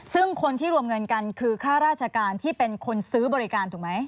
ซึ่งคนที่รวมเงินกันคือค่าราชการที่เป็นคนซื้อบริการถูกไหม